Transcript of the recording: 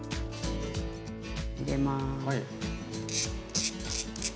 入れます。